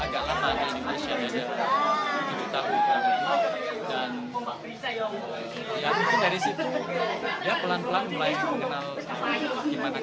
dan mungkin dari situ ya pelan pelan mulai mengenal bagaimana karakter ini